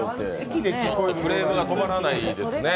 クレームが止まらないですね。